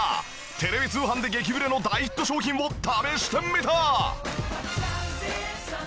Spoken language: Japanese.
テレビ通販で激売れの大ヒット商品を試してみた！